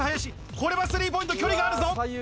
これはスリーポイント、距離があるぞ。